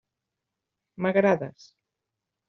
M'agrades.